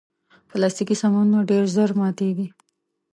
پلاستيکي سامانونه ډېر ژر ماتیږي.